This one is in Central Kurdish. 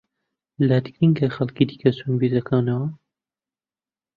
لات گرنگە خەڵکی دیکە چۆن بیر دەکەنەوە؟